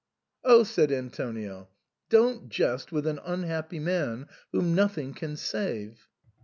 " Oh !" said Antonio, " don't jest with an unhappy man, whom nothing can save."